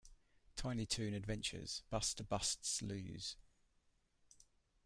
Tiny Toon Adventures: Buster Busts Loose!